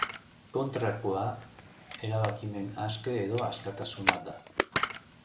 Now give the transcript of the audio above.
Kontrakoa erabakimen aske edo askatasuna da.